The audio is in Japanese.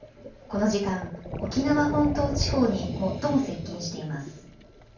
この時間、沖縄本島地方に最も接近しています。